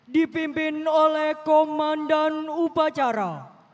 dipimpin oleh komandan upacara